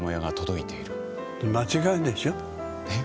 間違いでしょ？え？